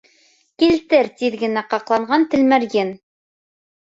Килтер тиҙ генә ҡаҡланган тәлмәрйен!